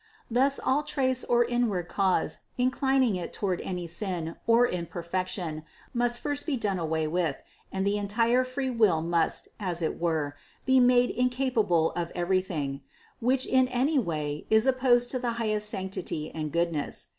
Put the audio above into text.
Thus all trace or inward cause inclining it to any sin or imperfection must first be done away with, and the entire free will must, as it were, be made incapable of every thing, which in any way is opposed to highest sanctity and goodness.